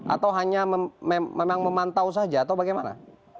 atau hanya memang memantau saja atau bagaimana